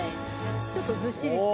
ちょっとずっしりして。